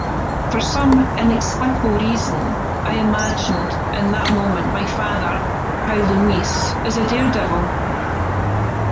For some inexplicable reason I imagined in that moment my father, Paolo Meis, as a daredevil